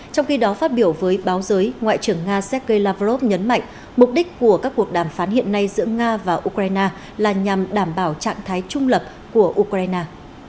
trong khi đó phát biểu với báo giới ngoại trưởng nga sergei lavrov nhấn mạnh mục đích của các cuộc đàm phán hiện nay giữa nga và ukraine là nhằm đảm bảo trạng thái trung lập của ukraine